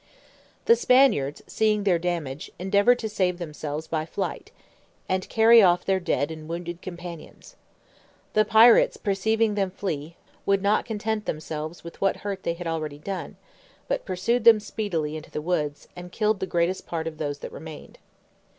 The Spaniards seeing their damage, endeavoured to save themselves by flight, and carry off their dead and wounded companions. The pirates perceiving them flee, would not content themselves with what hurt they had already done, but pursued them speedily into the woods, and killed the greatest part of those that remained.